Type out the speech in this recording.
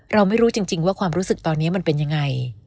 เราไม่รู้จริงว่าความรู้สึกตอนนี้มันเป็นยังไง